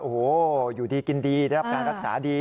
โอ้โหอยู่ดีกินดีได้รับการรักษาดี